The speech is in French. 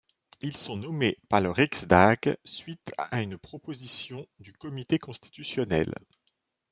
Ils sont nommés par le Riksdag suite à une proposition du comité constitutionnel.